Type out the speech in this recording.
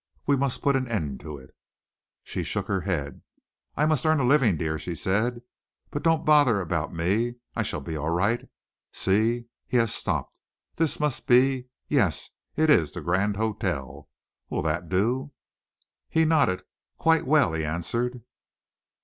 We must put an end to it." She shook her head. "I must earn a living, dear," she said. "But don't bother about me. I shall be all right. See, he has stopped. This must be yes, it is the Grand Hotel. Will that do?" He nodded. "Quite well," he answered.